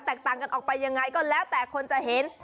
ต่างกันออกไปยังไงก็แล้วแต่คนจะเห็น